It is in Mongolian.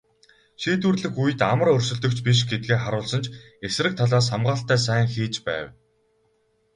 Шийдвэрлэх үед амар өрсөлдөгч биш гэдгээ харуулсан ч эсрэг талаас хамгаалалтаа сайн хийж байв.